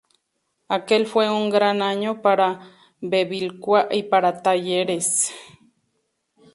Aquel fue un gran año para Bevilacqua y para Talleres.